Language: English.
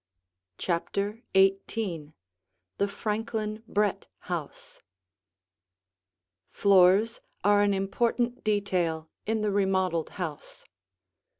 CHAPTER XVIII THE FRANKLIN BRETT HOUSE Floors are an important detail in the remodeled house.